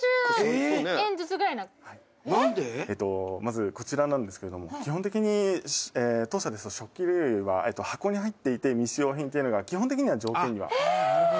「えっとまずこちらなんですけれども基本的に当社ですと食器類は箱に入っていて未使用品っていうのが基本的には条件にはなってくるんですけども」